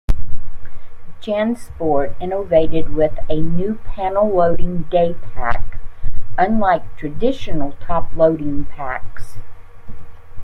JanSport innovated with a panel-loading daypack, unlike traditional top-loading packs.